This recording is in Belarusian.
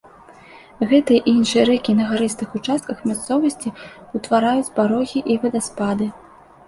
Гэтыя і іншыя рэкі на гарыстых участках мясцовасці ўтвараюць парогі і вадаспады.